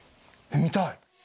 見たい。